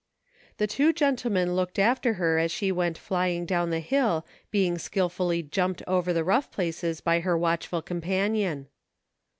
The two gentlemen looked after her as she went flying down the hill, being skillfully "jumped " over the rough places by her watchful companion.